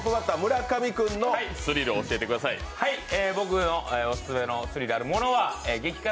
僕のオススメのスリルあるものは激辛！